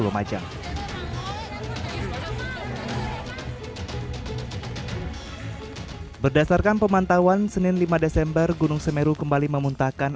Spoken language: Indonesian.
lumajang berdasarkan pemantauan senin lima desember gunung semeru kembali memuntahkan